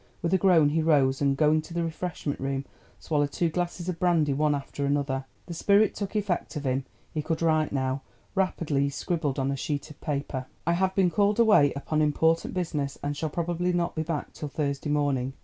With a groan he rose, and going to the refreshment room swallowed two glasses of brandy one after another. The spirit took effect on him; he could write now. Rapidly he scribbled on a sheet of paper: "I have been called away upon important business and shall probably not be back till Thursday morning.